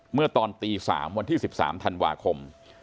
เมื่อตอนตี๓วันที่๑๓ธันวาคม